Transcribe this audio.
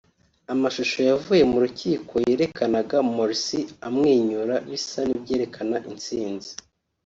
Amashusho yavuye mu rukiko yerekanaga Morsi amwenyura bisa n’ibyerekana intsinzi